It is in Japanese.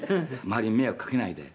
周りに迷惑かけないで」